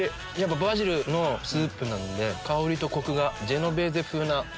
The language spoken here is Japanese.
バジルのスープなので香りとコクがジェノベーゼ風な。